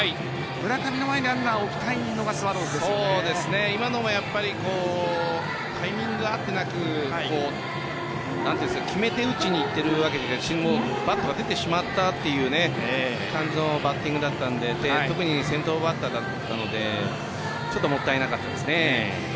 村上の前にランナーを置きたいのがタイミング合ってなくて決めて打ちにいってバットが出てしまったという感じのバッティングだったので特に先頭バッターだったのでちょっともったいなかったですね。